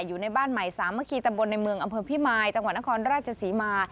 อยู่ในบ้านใหม่สามเมืองอำเภอพี่มายจังหวัดนครราชศรีมา